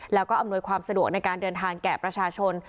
แล้วก็อำนวยความสะดวกในการเดินทางแก่ประชาชน